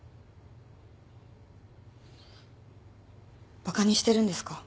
バカにしてるんですか？